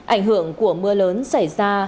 ảnh hưởng của mưa lớn xảy ra